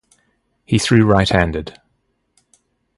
He threw right-handed.